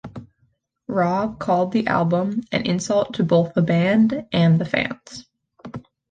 Robb called the album an insult to both the band and the fans.